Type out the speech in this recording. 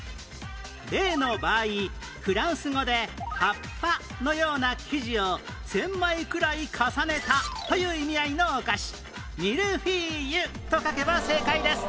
例の場合フランス語で葉っぱのような生地を１０００枚くらい重ねたという意味合いのお菓子「ミルフィーユ」と書けば正解です